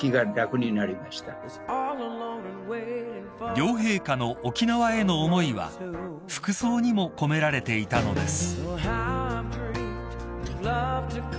［両陛下の沖縄への思いは服装にも込められていたのです］